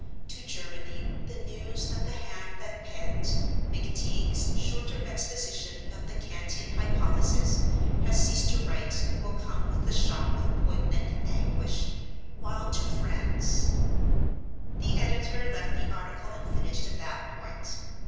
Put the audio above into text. To Germany the news that the hand that penned 'McTeague's Shorter Exposition of the Kantian Hypothesis' has ceased to write will come with the shock of poignant anguish; while to France " The editor left the article unfinished at that point.